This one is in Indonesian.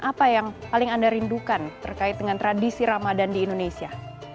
apa yang paling anda rindukan terkait dengan tradisi ramadan di indonesia